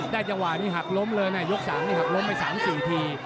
จังหวะนี้หักล้มเลยนะยก๓นี่หักล้มไป๓๔ที